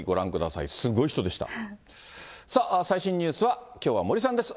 さあ、最新ニュースは、きょうは森さんです。